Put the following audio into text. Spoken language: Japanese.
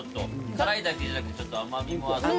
辛いだけじゃなくてちょっと甘みもあって。